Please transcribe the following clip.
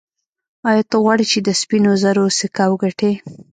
ایا ته غواړې چې د سپینو زرو سکه وګټې.